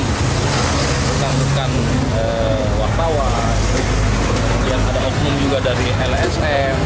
bukan bukan wartawan yang ada oknum juga dari lsm